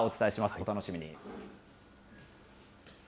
お楽しみに。